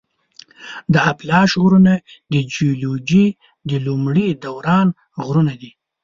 د اپلاش غرونه د جیولوجي د لومړي دوران غرونه دي.